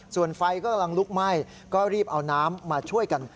ส่วนไฟก็กำลังลุกไหม้ก็รีบเอาน้ำมาช่วยกัน